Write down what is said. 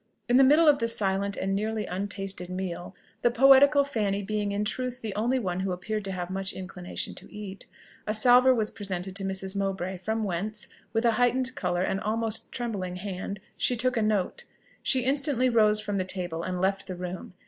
In the middle of the silent and nearly untasted meal, the poetical Fanny being in truth the only one who appeared to have much inclination to eat, a salver was presented to Mrs. Mowbray, from whence, with a heightened colour and almost trembling hand, she took a note. She instantly rose from table and left the room.